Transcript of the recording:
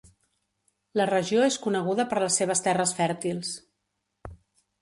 La regió és coneguda per les seves terres fèrtils.